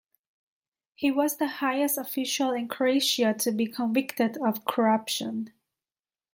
He was the highest official in Croatia to be convicted of corruption.